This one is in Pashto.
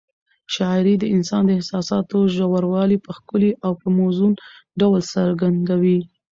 شاعري د انسان د احساساتو ژوروالی په ښکلي او موزون ډول څرګندوي.